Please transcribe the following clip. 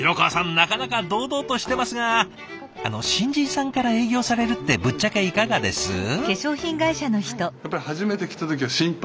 なかなか堂々としてますが新人さんから営業されるってぶっちゃけいかがです？